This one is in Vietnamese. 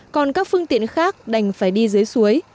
còn các phương tiện khác đành phải đi dưới suối